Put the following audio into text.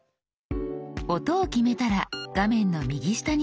音を決めたら画面の右下にあるこちら。